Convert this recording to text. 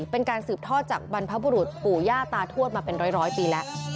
เป็นการสืบทอดจากบรรพบุรุษปู่ย่าตาทวดมาเป็นร้อยปีแล้ว